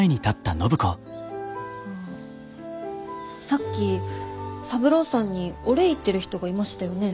さっき三郎さんにお礼言ってる人がいましたよね。